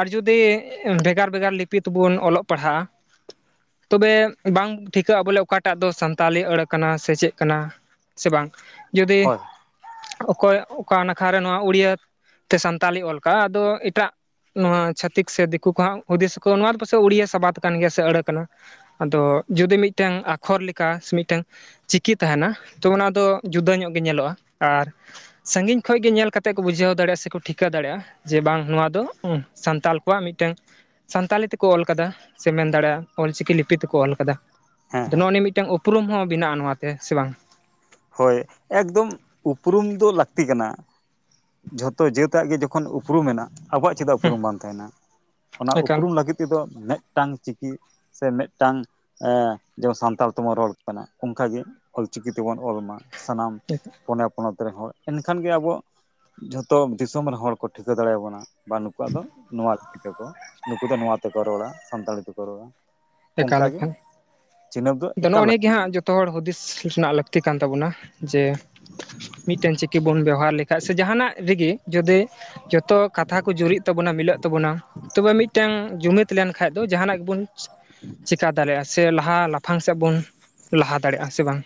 ᱟᱨ ᱡᱩᱫᱤ ᱵᱷᱮᱜᱟᱨ ᱵᱷᱮᱜᱟᱨ ᱞᱤᱯᱤ ᱛᱮᱵᱚᱱ ᱚᱞᱚᱜ ᱯᱟᱲᱦᱟᱜ-ᱟ ᱛᱚᱵᱮ ᱵᱟᱝ ᱴᱷᱤᱠᱟᱹᱜ-ᱟ ᱵᱚᱞᱮ ᱚᱠᱟᱴᱟᱜ ᱫᱚ ᱥᱟᱱᱛᱟᱞᱤ ᱟᱹᱲᱟᱹ ᱠᱟᱱᱟ ᱥᱮ ᱪᱮᱫ ᱠᱟᱱᱟ ᱥᱮ ᱵᱟᱝ ᱡᱩᱫᱤ
ᱦᱳᱭ
ᱚᱠᱚᱭ ᱚᱠᱟ ᱱᱟᱠᱷᱟᱨᱮ ᱱᱚᱣᱟ ᱩᱲᱤᱭᱟ ᱛᱮ ᱥᱟᱱᱛᱟᱞᱤ ᱚᱞ ᱠᱟᱜ-ᱟ ᱟᱫᱚ ᱮᱴᱟᱜ ᱱᱚᱣᱟ ᱪᱷᱟᱹᱛᱤᱠ ᱥᱮ ᱫᱤᱠᱩ ᱠᱚᱸᱦᱟᱜ ᱦᱩᱫᱤᱥ ᱠᱚ ᱱᱚᱣᱟ ᱫᱚ ᱯᱟᱥᱮᱡ ᱩᱲᱤᱭᱟᱹ ᱥᱟᱵᱟᱫ ᱠᱟᱱ ᱜᱮᱭᱟ ᱥᱮ ᱟᱹᱲᱟᱹ ᱠᱟᱱᱟ ᱟᱫᱚ ᱡᱩᱫᱤ ᱢᱤᱫᱴᱟᱝ ᱟᱠᱷᱚᱨ ᱞᱮᱠᱟ ᱢᱤᱫᱴᱟᱝ ᱪᱤᱠᱤ ᱛᱟᱦᱮᱸᱱᱟ ᱛᱚ ᱚᱱᱟ ᱫᱚ ᱡᱩᱫᱟᱹ ᱧᱚᱜ ᱜᱮ ᱧᱮᱞᱚᱜᱼᱟ ᱟᱨ ᱥᱟᱺᱜᱤᱧ ᱠᱷᱚᱱ ᱜᱮ ᱧᱮᱞ ᱠᱟᱛᱮᱫ ᱠᱚ ᱵᱩᱡᱷᱟᱹᱣ ᱫᱟᱲᱮᱭᱟᱜᱼᱟ ᱥᱮᱠᱚ ᱴᱷᱤᱠᱟᱹ ᱫᱟᱲᱮᱭᱟᱜᱼᱟ ᱡᱮ ᱵᱟᱝ ᱱᱚᱣᱟ ᱫᱚ ᱥᱟᱱᱛᱟᱲ ᱠᱚᱣᱟᱜ ᱢᱤᱫᱴᱟᱝ ᱥᱟᱱᱛᱟᱞᱤ ᱛᱮᱠᱚ ᱚᱞ ᱟᱠᱟᱫᱟ ᱥᱮ ᱢᱮᱱ ᱫᱟᱲᱮᱭᱟᱜᱼᱟ ᱚᱞ ᱪᱤᱠᱤ ᱞᱤᱯᱤ ᱛᱮᱠᱚ ᱚᱞ ᱟᱠᱟᱫᱟ
ᱦᱮᱸ
ᱟᱫᱚ
ᱦᱮᱸ
ᱱᱚᱜᱼᱚ ᱱᱤᱭᱟᱹ ᱢᱤᱫᱴᱟᱝ ᱩᱯᱨᱩᱢ ᱦᱚᱸ ᱵᱮᱱᱟᱜᱼᱟ ᱱᱚᱣᱟᱛᱮ ᱥᱮ ᱵᱟᱝ
ᱦᱳᱭ ᱮᱠᱫᱚᱢ ᱩᱯᱨᱩᱢ ᱫᱚ ᱞᱟᱹᱠᱛᱤ ᱠᱟᱱᱟ ᱡᱷᱚᱛᱚ ᱡᱟᱹᱛᱟᱜ ᱜᱮ ᱡᱚᱠᱷᱚᱱ ᱩᱯᱨᱩᱢ ᱢᱮᱱᱟᱜ ᱟᱵᱚᱣᱟᱜ ᱪᱮᱫᱟᱜ
ᱦᱮᱸ
ᱩᱯᱨᱩᱢ ᱵᱟᱝ ᱛᱟᱦᱮᱱᱟ ᱚᱱᱟ
ᱮᱠᱟᱞ
ᱩᱯᱨᱩᱢ ᱞᱟᱹᱜᱤᱫ ᱛᱮᱫᱚ ᱢᱤᱫᱴᱟᱝ ᱪᱤᱠᱤ ᱥᱮ ᱢᱤᱫᱴᱟᱝ ᱡᱮᱢᱚᱱ ᱥᱟᱱᱛᱟᱲ ᱛᱮᱵᱚᱱ ᱨᱚᱲ ᱠᱟᱱᱟ ᱚᱱᱠᱟ ᱜᱮ ᱚᱞᱪᱤᱠᱤ ᱛᱮᱵᱚᱱ ᱚᱞ ᱢᱟ ᱥᱟᱱᱟᱢ ᱯᱚᱱᱚᱛ ᱨᱮᱱ ᱦᱚᱲ ᱮᱱᱠᱷᱟᱱ ᱜᱮ ᱟᱵᱚᱣᱟᱜ ᱡᱷᱚᱛᱚ ᱫᱤᱥᱚᱢ ᱨᱮᱱ ᱦᱚᱲ ᱠᱚ ᱴᱷᱤᱠᱟᱹ ᱫᱟᱲᱮᱭᱟᱵᱚᱱᱟ ᱵᱟᱹᱱᱩ ᱠᱚᱣᱟᱜ ᱟᱫᱚ ᱱᱚᱣᱟ ᱛᱮᱠᱚ ᱱᱩᱠᱩ ᱫᱚ ᱱᱚᱣᱟ ᱛᱮᱠᱚ ᱨᱚᱲᱟ ᱥᱟᱱᱛᱟᱲᱤ ᱛᱮᱠᱚ ᱨᱚᱲᱟ
ᱮᱠᱟᱞ
ᱚᱱᱠᱟ ᱜᱮ
ᱮᱠᱟᱞ
ᱪᱤᱱᱦᱟᱹᱯ ᱫᱚ
ᱟᱫᱚ
ᱮᱠᱟᱞ
ᱱᱚᱜᱼᱚ ᱱᱤᱭᱟᱹ ᱜᱮ
ᱞᱟᱹᱠᱛᱤ ᱠᱟᱱᱟ
ᱦᱟᱸᱜ ᱡᱚᱛᱚ ᱦᱚᱲ ᱦᱩᱫᱤᱥ ᱨᱮᱱᱟᱜ ᱞᱟᱹᱠᱛᱤ ᱠᱟᱱ ᱛᱟᱵᱚᱱᱟ ᱡᱮ ᱢᱤᱫ ᱴᱟᱝ ᱪᱤᱠᱤ ᱵᱚᱱ ᱵᱮᱵᱚᱦᱟᱨ ᱞᱮ ᱥᱮ ᱡᱟᱦᱟ ᱱᱟᱜ ᱨᱮᱜᱮ ᱡᱩᱫᱤ ᱡᱚᱛᱚ ᱠᱟᱛᱷᱟ ᱠᱚ ᱡᱩᱨᱤᱜ ᱛᱟᱵᱚᱱᱟ ᱢᱤᱞᱟᱹᱜ ᱛᱟᱵᱚᱱᱟ ᱛᱚᱵᱮ ᱢᱤᱫᱴᱟᱝ ᱡᱩᱢᱤᱫ ᱞᱮᱱᱠᱷᱟᱱ ᱫᱚ ᱡᱟᱦᱟᱱᱟᱜ ᱜᱮᱵᱚᱱ ᱪᱮᱠᱟ ᱫᱟᱲᱮᱭᱟᱜᱼᱟ ᱥᱮ ᱞᱟᱦᱟ ᱞᱟᱯᱷᱟᱝ ᱥᱮᱫ ᱵᱚᱱ ᱞᱟᱦᱟ ᱫᱟᱲᱮᱭᱟᱜᱼᱟ ᱥᱮ ᱵᱟᱝ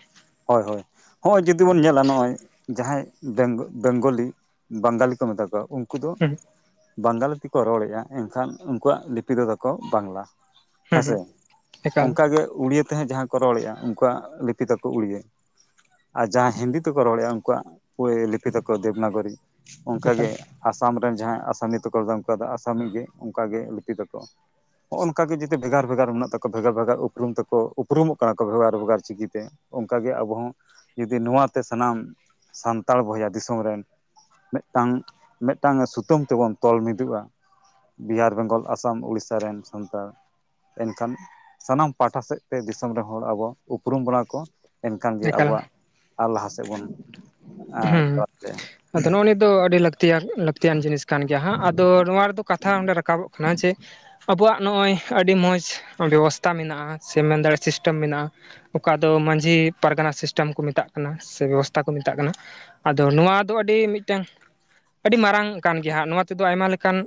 ᱦᱳᱭ ᱦᱳᱭ ᱦᱚᱸᱜᱼᱚᱭ ᱡᱩᱫᱤ ᱵᱚᱱ ᱧᱮᱞᱟ ᱱᱚᱜᱼᱚᱭ ᱡᱟᱦᱟᱸᱭ ᱵᱮᱝᱜ ᱵᱮᱝᱜᱚᱞᱤ ᱵᱟᱝᱜᱟᱞᱤ ᱠᱚ ᱢᱮᱛᱟ ᱠᱚᱣᱟ ᱩᱱᱠᱩ ᱩᱱᱠᱩ ᱫᱚ
ᱦᱩᱸ
ᱵᱟᱝᱜᱟᱞᱤ ᱛᱮᱠᱚ ᱨᱚᱲᱮᱫᱼᱟ ᱮᱱᱠᱷᱟᱱ ᱩᱱᱠᱩᱣᱟᱜ ᱞᱤᱯᱤ ᱫᱚ ᱛᱟᱠᱚ ᱵᱟᱝᱞᱟ
ᱦᱩᱸ
ᱦᱮᱸᱥᱮ
ᱦᱩᱸ ᱮᱠᱟᱞ
ᱚᱱᱠᱟᱜᱮ ᱩᱲᱤᱭᱟᱹ ᱛᱮᱦᱚᱸ ᱡᱟᱦᱟᱸ ᱠᱚ ᱨᱚᱲᱮᱫᱼᱟ ᱩᱱᱠᱩᱣᱟᱜ ᱞᱤᱯᱤ ᱛᱟᱠᱚ ᱩᱲᱤᱭᱟᱹ ᱟᱨ ᱡᱟᱦᱟᱸ ᱦᱤᱱᱫᱤ ᱛᱮᱠᱚ ᱨᱚᱲᱮᱜᱼᱟ ᱩᱱᱠᱩᱣᱟᱜ ᱞᱤᱯᱤ ᱛᱟᱠᱚ ᱫᱮᱵᱽᱱᱟᱜᱚᱨᱤ
ᱮᱠᱟᱞ
ᱚᱱᱠᱟᱜᱮ ᱟᱥᱟᱢ ᱨᱮᱱ ᱡᱟᱦᱟᱸᱭ ᱟᱥᱟᱢᱤ ᱛᱮᱠᱚ ᱨᱚᱲᱮᱫᱼᱟ ᱟᱥᱟᱢᱤ ᱜᱮ ᱚᱱᱠᱟᱜᱮ ᱞᱤᱯᱤ ᱛᱟᱠᱚ ᱦᱚᱜᱼᱚ ᱱᱚᱝᱠᱟ ᱜᱮ ᱡᱫᱤ ᱵᱷᱮᱜᱟᱨ ᱵᱷᱮᱜᱟᱨ ᱚᱱᱠᱟ ᱜᱮ ᱡᱮᱛᱮ ᱵᱷᱮᱜᱟᱨᱼᱵᱷᱮᱜᱟᱨ ᱢᱮᱱᱟᱜ ᱛᱟᱠᱚ ᱵᱷᱮᱜᱟᱨᱼᱵᱷᱮᱜᱟᱨ ᱩᱯᱨᱩᱢ ᱛᱮᱠᱚ ᱩᱯᱨᱩᱢᱚᱜ ᱠᱟᱱᱟ ᱠᱚ ᱵᱷᱮᱜᱟᱨᱼᱵᱷᱮᱜᱟᱨ ᱪᱤᱠᱤ ᱛᱮ ᱚᱱᱠᱟᱜᱮ ᱟᱵᱚ ᱦᱚᱸ ᱡᱩᱫᱤ ᱱᱚᱣᱟᱛᱮ ᱥᱟᱱᱟᱢ ᱥᱟᱱᱛᱟᱲ ᱵᱚᱭᱦᱟ ᱫᱤᱥᱚᱢ ᱨᱮᱱ ᱢᱤᱫᱴᱟᱝ ᱢᱤᱫᱴᱟᱝ ᱥᱩᱛᱟᱹᱢ ᱛᱮᱵᱚᱱ ᱛᱚᱞ ᱢᱤᱫᱚᱜᱼᱟ ᱵᱤᱦᱟᱨ ᱵᱮᱝᱜᱚᱞ ᱟᱥᱟᱢ ᱩᱲᱤᱥᱥᱟ ᱨᱮᱱ ᱥᱟᱱᱛᱟᱲ ᱮᱱᱠᱷᱟᱱ ᱥᱟᱱᱟᱢ ᱯᱟᱦᱴᱟ ᱥᱮᱫᱛᱮ ᱫᱤᱥᱚᱢ ᱨᱮᱱ ᱦᱚᱲ ᱟᱵᱚ ᱩᱯᱨᱩᱢ ᱵᱚᱱᱟ ᱠᱚ ᱮᱱᱠᱷᱟᱱ ᱜᱮ
ᱮᱠᱟᱞ
ᱟᱵᱚᱣᱟᱜ ᱟᱨ ᱞᱟᱦᱟ ᱥᱮᱫ ᱵᱚᱱ
ᱦᱩᱸ
*unintelligible*
ᱟᱫᱚ ᱱᱚᱜᱼᱚ ᱱᱤᱭᱟᱹ ᱫᱚ ᱟᱹᱰᱤ ᱞᱟᱹᱠᱛᱤᱭᱟ ᱞᱟᱹᱠᱛᱤᱭᱟᱱ ᱡᱤᱱᱤᱥ ᱠᱟᱱ ᱜᱮᱭᱟ ᱱᱟᱜ ᱟᱫᱚ ᱱᱚᱣᱟ ᱨᱮᱫᱚ ᱠᱟᱛᱷᱟ ᱚᱸᱰᱮ ᱨᱟᱠᱟᱵᱚᱜ ᱠᱟᱱᱟ ᱡᱮ ᱟᱵᱚᱣᱟᱜ ᱱᱚᱜᱼᱚᱭ ᱟᱹᱰᱤ ᱢᱚᱡᱽ ᱵᱮᱵᱚᱥᱛᱷᱟ ᱢᱮᱱᱟᱜᱼᱟ ᱥᱮ ᱢᱮᱱ ᱫᱟᱲᱮᱭᱟᱜ ᱥᱤᱥᱴᱮᱢ ᱢᱮᱱᱟᱜᱼᱟ ᱚᱠᱟ ᱫᱚ ᱢᱟᱺᱡᱷᱤ ᱯᱟᱨᱜᱟᱱᱟ ᱥᱤᱥᱴᱮᱢ ᱠᱚ ᱢᱮᱛᱟᱜ ᱠᱟᱱᱟ ᱥᱮ ᱵᱮᱵᱚᱥᱛᱷᱟ ᱠᱚ ᱢᱮᱛᱟᱜ ᱠᱟᱱᱟ ᱟᱫᱚ ᱱᱚᱣᱟ ᱫᱚ ᱟᱹᱰᱤ ᱢᱤᱫᱴᱟᱝ ᱟᱹᱰᱤ ᱢᱟᱨᱟᱝ ᱠᱟᱱ ᱜᱮᱭᱟ ᱦᱟᱸᱜ ᱱᱚᱣᱟ ᱛᱮᱫᱚ ᱟᱭᱢᱟ ᱞᱮᱠᱟᱱ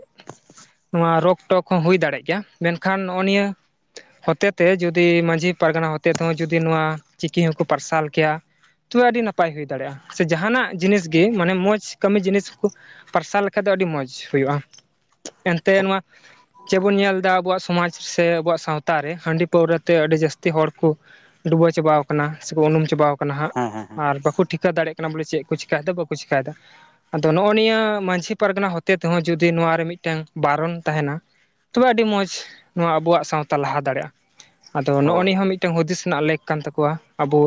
ᱱᱚᱣᱟ ᱨᱳᱜᱽ ᱴᱚᱜ ᱦᱚᱸ ᱦᱩᱭ ᱫᱟᱲᱮᱜ ᱜᱮᱭᱟ ᱢᱮᱱᱠᱷᱟᱱ ᱱᱚᱜᱼᱚᱭ ᱱᱤᱭᱟᱹ ᱦᱚᱛᱮ ᱛᱮ ᱡᱩᱫᱤ ᱢᱟᱺᱡᱷᱤ ᱯᱟᱨᱜᱟᱱᱟ ᱦᱚᱛᱮ ᱛᱮᱦᱚᱸ ᱡᱩᱫᱤ ᱱᱚᱣᱟ ᱪᱤᱠᱤ ᱦᱚᱸᱠᱚ ᱯᱟᱨᱥᱟᱞ ᱠᱮᱭᱟ ᱛᱚᱵᱮ ᱟᱹᱰᱤ ᱱᱟᱯᱟᱭ ᱦᱩᱭ ᱫᱟᱲᱮᱭᱟᱜᱼᱟ ᱥᱮ ᱡᱟᱦᱟᱸᱱᱟᱜ ᱡᱤᱱᱤᱥ ᱜᱮ ᱢᱟᱱᱮ ᱢᱚᱡᱽ ᱠᱟᱹᱢᱤ ᱡᱤᱱᱤᱥ ᱠᱚ ᱯᱟᱨᱥᱟᱞ ᱞᱮᱠᱷᱟᱡ ᱫᱚ ᱟᱹᱰᱤ ᱢᱚᱸᱡᱽ ᱦᱩᱭᱩᱜᱼᱟ ᱮᱱᱛᱮ ᱱᱚᱣᱟ ᱪᱮᱫ ᱵᱚᱱ ᱧᱮᱞ ᱮᱫᱟ ᱟᱵᱚᱣᱟᱜ ᱥᱚᱢᱟᱡᱽ ᱥᱮ ᱟᱵᱚᱣᱟᱜ ᱥᱟᱶᱛᱟ ᱨᱮ ᱦᱟᱺᱰᱤ ᱯᱟᱹᱣᱨᱟᱹ ᱛᱮ ᱟᱹᱰᱤ ᱡᱟᱹᱥᱛᱤ ᱦᱚᱲ ᱠᱚ ᱰᱩᱵᱟᱹᱣ ᱪᱟᱵᱟᱣ ᱟᱠᱟᱱᱟ ᱥᱮᱠᱚ ᱩᱱᱩᱢ ᱪᱟᱵᱟᱣ ᱟᱠᱟᱱᱟ ᱦᱟᱸᱜ
ᱦᱮᱸ ᱦᱮᱸ ᱦᱮᱸ
ᱟᱨ ᱵᱟᱠᱚ ᱴᱷᱤᱠᱟᱹ ᱫᱟᱲᱮᱭᱟᱜ ᱠᱟᱱᱟ ᱠᱟᱱᱟ ᱵᱚᱞᱮ ᱪᱮᱫ ᱠᱚ ᱪᱤᱠᱟᱭᱮᱫᱟ ᱵᱟᱠᱚ ᱪᱤᱠᱟᱭᱮᱫᱟ ᱟᱫᱚ ᱱᱚᱜᱼᱚ ᱱᱤᱭᱟᱹ ᱢᱟᱺᱡᱷᱤ ᱯᱟᱨᱜᱟᱱᱟ ᱦᱚᱛᱮ ᱛᱮᱦᱚᱸ ᱡᱩᱫᱤ ᱱᱚᱣᱟ ᱨᱮ ᱢᱤᱫᱴᱟᱝ ᱵᱟᱨᱚᱱ ᱛᱟᱦᱮᱸᱱᱟ ᱛᱚᱵᱮ ᱟᱹᱰᱤ ᱢᱚᱸᱡ ᱱᱚᱣᱟ ᱟᱵᱩᱣᱟᱜ ᱥᱟᱶᱛᱟ ᱞᱟᱦᱟ ᱫᱟᱲᱮᱭᱟᱜᱼᱟ ᱟᱫᱚ ᱱᱚᱜ
ᱦᱳᱭ
ᱱᱤᱭᱟᱹ ᱦᱚᱸ ᱢᱤᱫᱴᱮᱱ ᱦᱩᱫᱤᱥ ᱨᱮᱱᱟᱜ ᱞᱮᱠ ᱠᱟᱱ ᱛᱟᱠᱚᱣᱟ ᱟᱵᱚ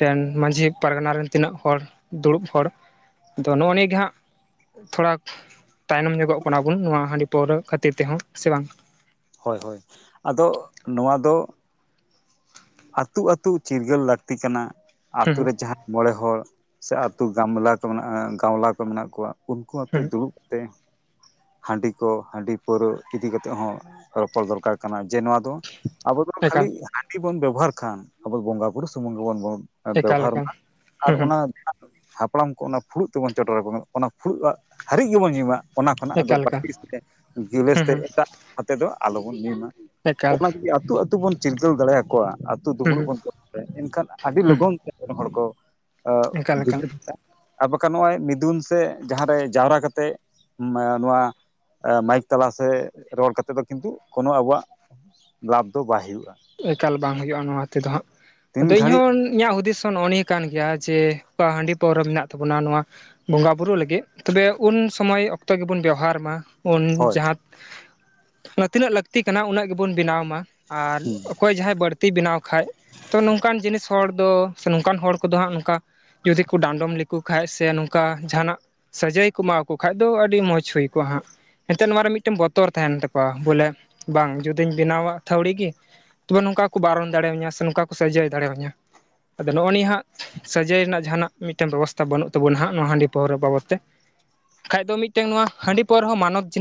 ᱨᱮᱱ ᱢᱟᱺᱡᱷᱤ ᱯᱟᱨᱜᱟᱱᱟ ᱨᱮᱱ ᱛᱤᱱᱟᱹᱜ ᱦᱚᱲ ᱫᱩᱲᱩᱵ ᱦᱚᱲ ᱟᱫᱚ ᱱᱚᱜᱼᱚ ᱱᱤᱭᱟᱹ ᱜᱮ ᱦᱟᱸᱜ ᱛᱷᱚᱲᱟ ᱛᱟᱭᱱᱚᱢ ᱧᱚᱜᱚᱜ ᱠᱟᱱᱟ ᱵᱚᱱ ᱱᱚᱣᱟ ᱦᱟᱺᱰᱤ ᱯᱟᱹᱣᱨᱟᱹ ᱠᱷᱟᱹᱛᱤᱨ ᱛᱮᱦᱚᱸ ᱥᱮ ᱵᱟᱝ
ᱦᱳᱭ ᱦᱳᱭ ᱟᱫᱚ ᱱᱚᱣᱟ ᱫᱚ ᱟᱹᱛᱩ ᱟᱹᱛᱩ ᱪᱤᱨᱜᱟᱹᱞ ᱞᱟᱹᱠᱛᱤ ᱠᱟᱱᱟ
ᱦᱩᱸ
ᱟᱛᱳ
ᱦᱩᱸ
ᱨᱮ ᱡᱟᱦᱟᱸ ᱢᱚᱬᱮ ᱦᱚᱲ ᱥᱮ ᱟᱹᱛᱩ ᱜᱟᱢᱞᱟ ᱠᱚ ᱢᱮᱱᱟᱜᱼᱟ ᱜᱟᱶᱞᱟ ᱠᱚ ᱢᱮᱱᱟᱜ ᱠᱚᱣᱟ ᱩᱱᱠᱩ ᱟᱛᱮ
ᱦᱩᱸ
ᱫᱩᱲᱩᱵ ᱛᱮ ᱦᱟᱺᱰᱤ ᱠᱚ ᱦᱟᱺᱰᱤ ᱯᱟᱹᱣᱨᱟᱹ ᱤᱫᱤ ᱠᱟᱛᱮ ᱦᱚᱸ ᱨᱚᱯᱚᱲ ᱫᱚᱨᱠᱟᱨ ᱠᱟᱱᱟ ᱡᱮ ᱱᱚᱣᱟ ᱫᱚ ᱟᱵᱚ ᱫᱚ ᱠᱷᱟᱹᱞᱤ
ᱮᱠᱟᱞ
ᱦᱟᱺᱰᱤ ᱵᱚᱱ ᱵᱮᱵᱚᱦᱟᱨ ᱠᱷᱟᱱ ᱟᱵᱚ ᱵᱚᱸᱜᱟ ᱵᱩᱨᱩ ᱥᱩᱢᱩᱝ ᱜᱮᱵᱚᱱ *unintelligible*
ᱮᱠᱟᱞ
ᱵᱮᱣᱦᱟᱨ
ᱮᱠᱟᱞ
ᱢᱟ ᱟᱨ
ᱦᱩᱸ ᱦᱩᱸ
ᱚᱱᱟ ᱦᱟᱯᱲᱟᱢ ᱠᱚ ᱚᱱᱟ ᱯᱷᱩᱲᱩᱜ ᱛᱮᱵᱚᱱ ᱪᱚᱰᱚᱨ ᱟᱠᱚᱢᱟ ᱚᱱᱟ ᱯᱷᱩᱲᱩᱜ ᱫᱟᱜ ᱦᱟᱹᱨᱤᱡ ᱜᱮᱵᱚᱱ ᱧᱩᱢᱟ᱾ ᱚᱱᱟ ᱠᱷᱚᱱᱟᱜ ᱟᱫᱚ
ᱮᱠᱟᱞ ᱮᱠᱟᱞ
*unintelligible* ᱛᱮ ᱜᱮᱤᱞᱮᱥ
ᱦᱩᱸ
ᱛᱮ
ᱦᱩᱸ
ᱮᱴᱟᱜ ᱠᱟᱛᱮᱫ ᱫᱚ ᱟᱞᱚᱵᱚᱱ ᱧᱩᱢᱟ
ᱮᱠᱟᱞ
ᱚᱱᱟ ᱡᱩᱫᱤ ᱟᱛᱩ ᱟᱛᱩ ᱵᱚᱱ ᱪᱤᱨᱜᱟᱹᱣ ᱫᱟᱲᱮᱭᱟᱠᱚᱣᱟ
ᱦᱩᱸ ᱦᱩᱸ ᱦᱩᱸ ᱮᱠᱟᱞ ᱮᱠᱟᱞ
*unintelligible* ᱟᱨ ᱵᱟᱠᱷᱟᱱ ᱱᱚᱜᱼᱚᱭ ᱢᱤᱫᱩᱱ ᱥᱮ ᱡᱟᱦᱟᱸᱨᱮ ᱡᱟᱣᱨᱟ ᱠᱟᱛᱮᱜ ᱱᱚᱣᱟ ᱢᱟᱭᱤᱠ ᱛᱟᱞᱟ ᱥᱮ ᱨᱚᱲ ᱠᱟᱛᱮᱜ ᱫᱚ ᱠᱤᱱᱛᱩ ᱠᱳᱱᱚ ᱟᱵᱚᱣᱟᱜ ᱞᱟᱵᱷ ᱫᱚ ᱵᱟᱭ ᱦᱩᱭᱩᱜᱼᱟ
ᱮᱠᱟᱞ ᱵᱟᱝ ᱦᱩᱭᱩᱜᱼᱟ ᱱᱚᱣᱟ ᱛᱮᱫᱚ ᱦᱟᱸᱜ
ᱛᱤᱱ
ᱟᱫᱚ ᱤᱧ
ᱜᱷᱟᱹᱲᱤᱡ
ᱦᱚᱸ ᱤᱧᱟᱹᱜ ᱦᱩᱫᱤᱥ ᱦᱚᱸ ᱱᱚᱜᱼ ᱱ ᱠᱟᱱ ᱜᱮᱭᱟ ᱡᱮ ᱚᱠᱟ ᱦᱟᱺᱰᱤ ᱯᱟᱹᱣᱨᱟᱹ ᱢᱮᱱᱟᱜ ᱛᱟᱵᱚᱱᱟ ᱱᱚᱣᱟ ᱵᱚᱸᱜᱟ ᱵᱩᱨᱩ ᱞᱟᱹᱜᱤᱫ ᱛᱚᱵᱮ ᱩᱱ ᱥᱚᱢᱚᱭ ᱚᱠᱛᱚ ᱜᱮᱵᱚᱱ ᱵᱮᱣᱦᱟᱨ ᱢᱟ᱾ ᱩᱱ
ᱦᱳᱭ
ᱡᱟᱦᱟᱸ ᱛᱤᱱᱟᱹᱜ ᱞᱟᱹᱠᱛᱤ ᱠᱟᱱᱟ ᱩᱱᱟᱹᱜ ᱜᱮᱵᱚᱱ ᱵᱮᱱᱟᱣ ᱢᱟ ᱟᱨ
ᱦᱮᱸ
ᱚᱠᱚᱭ ᱡᱟᱦᱟᱸᱭ ᱵᱟᱹᱲᱛᱤᱭ ᱵᱮᱱᱟᱣ ᱠᱷᱟᱡ ᱛᱚ ᱱᱚᱝᱠᱟᱱ ᱡᱤᱱᱤᱥ ᱦᱚᱲ ᱫᱚ ᱥᱮ ᱱᱚᱝᱠᱟᱱ ᱦᱚᱲ ᱠᱚᱫᱚ ᱦᱟᱸᱜ ᱱᱚᱝᱠᱟ ᱡᱩᱫᱤ ᱠᱩ ᱰᱟᱸᱰᱚᱢ ᱞᱮᱠᱚ ᱠᱷᱟᱱ ᱥᱮ ᱱᱚᱝᱠᱟ ᱡᱟᱦᱟᱱᱟᱜ ᱥᱟᱹᱡᱟᱹᱭ ᱠᱚ ᱮᱢᱟᱠᱚᱣᱟ ᱠᱷᱟᱡ ᱫᱚ ᱟᱹᱰᱤ ᱢᱚᱸᱡᱽ ᱦᱩᱭ ᱠᱚᱜᱼᱟ ᱦᱟᱸᱜ᱾ ᱮᱱᱛᱮ ᱱᱚᱣᱟ ᱨᱮ ᱢᱤᱫᱴᱮᱱ ᱵᱚᱛᱚᱨ ᱛᱟᱦᱮᱱ ᱛᱟᱠᱚᱣᱟ ᱵᱚᱞᱮ ᱵᱟᱝ ᱡᱩᱫᱤᱧ ᱵᱮᱱᱟᱣᱟ ᱛᱷᱲᱤ ᱜᱮ᱾ ᱛᱚᱵᱮ ᱱᱚᱝᱠᱟ ᱠᱚ ᱵᱟᱨᱚᱱ ᱫᱟᱲᱮᱣᱟᱹᱧᱟ ᱥᱮ ᱱᱚᱝᱠᱟ ᱠᱚ ᱥᱡᱟᱹᱭ ᱫᱟᱲᱮᱟᱹᱧᱟ᱾ ᱟᱫᱚ ᱱᱚᱜᱼᱚᱭ ᱱᱤᱭᱟᱹ ᱦᱟᱸᱜ ᱥᱟᱨᱡᱟᱹᱭ ᱨᱮᱱᱟᱜ ᱡᱟᱦᱟᱱᱟᱜ ᱢᱤᱫᱴᱟᱝ ᱵᱮᱵᱚᱥᱛᱷᱟ ᱵᱟᱹᱱᱩᱜ ᱛᱟᱵᱚᱱᱟ ᱦᱟᱸᱜ ᱱᱚᱣᱟ ᱦᱟᱺᱰᱤ ᱯᱟᱹᱣᱨᱟᱹ ᱵᱟᱵᱚᱛ ᱛᱮ ᱠᱷᱟᱡ ᱫᱚ ᱢᱤᱫᱴᱟᱝ ᱱᱚᱣᱟ ᱦᱟᱺᱰᱤ ᱯᱟ. ᱣᱨᱟᱹ ᱦᱚᱸ ᱢᱟᱱᱚᱛ ᱡᱤᱱᱤ